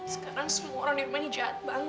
sekarang semua orang di rumah ini jahat banget